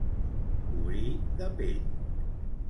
Cobrir de pell.